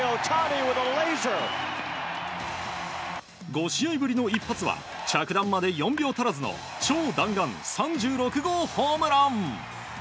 ５試合ぶりの一発は着弾まで４秒足らずの超弾丸３６号ホームラン！